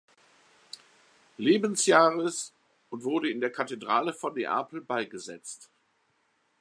Lebensjahres und wurde in der Kathedrale von Neapel beigesetzt.